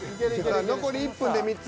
さあ残り１分で３つ。